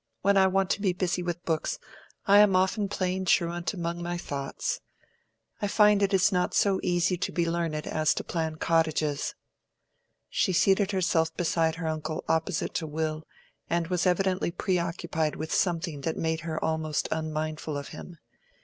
When I want to be busy with books, I am often playing truant among my thoughts. I find it is not so easy to be learned as to plan cottages." She seated herself beside her uncle opposite to Will, and was evidently preoccupied with something that made her almost unmindful of him.